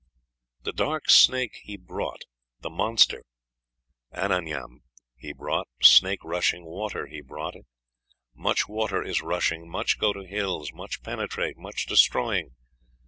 The dark snake he brought, the monster (Amanyam) he brought, snake rushing water he brought (it). Much water is rushing, much go to hills, much penetrate, much destroying.